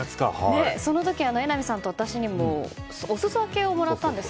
その時、榎並さんと私にもお裾分けをもらったんです。